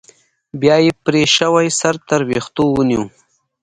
بيا يې پرې شوى سر تر ويښتو ونيو.